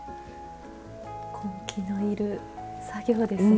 根気のいる作業ですね。